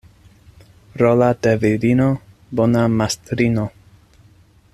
Rola de virino — bona mastrino.